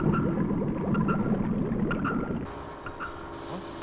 あっ？